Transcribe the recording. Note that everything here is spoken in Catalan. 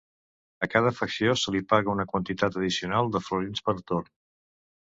A cada facció se li paga una quantitat addicional de florins per torn.